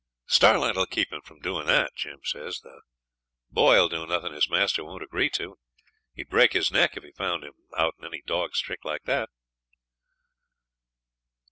'Starlight 'll keep him from doing that,' Jim says; 'the boy 'll do nothing his master don't agree to, and he'd break his neck if he found him out in any dog's trick like that.'